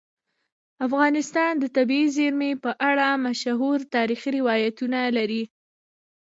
افغانستان د طبیعي زیرمې په اړه مشهور تاریخی روایتونه لري.